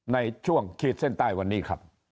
ในช่วงขีดเส้นใต้วันนี้ครับ